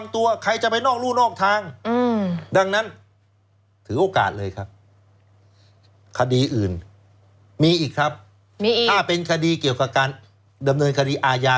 ถ้าเป็นคดีเกี่ยวกับการดำเนินคดีอาญา